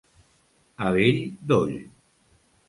A bell doll.